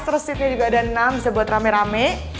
terus seatnya juga ada enam bisa buat rame rame